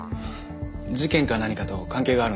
事件か何かと関係があるんですか？